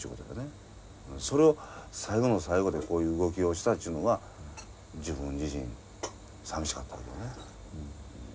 それを最後の最後でこういう動きをしたっちゅうのは自分自身寂しかったけどね。